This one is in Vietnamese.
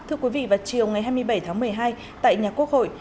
thưa quý vị vào chiều ngày hai mươi bảy tháng một mươi hai tại nhà quốc hội